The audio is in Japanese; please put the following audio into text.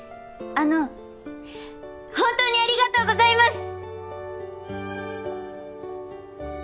あの本当にありがとうございます！！